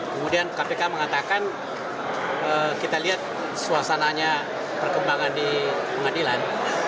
kemudian kpk mengatakan kita lihat suasananya perkembangan di pengadilan